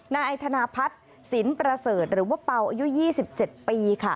นายธนพัฒน์สินประเสริฐหรือว่าเป่าอายุ๒๗ปีค่ะ